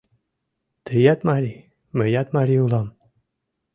Тыят марий, мыят марий улам.